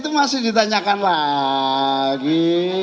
itu masih ditanyakan lagi